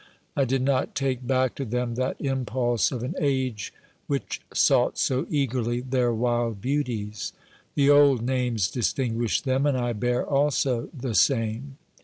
I did not take back to them that impulse of an age which sought so eagerly their wild beauties. The old names distinguish them, and I bear also the same